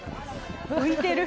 浮いてる。